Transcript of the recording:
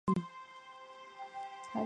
大厦邻近温哥华架空列车加拿大线的。